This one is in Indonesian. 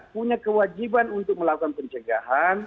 punya kewajiban untuk melakukan pencegahan